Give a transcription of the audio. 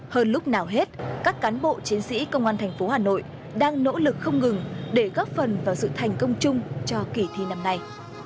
hơn lúc nào hết các cán bộ chiến sĩ công an thành phố hà nội đang nỗ lực không ngừng để góp phần vào sự thành công chung cho kỳ thi năm nay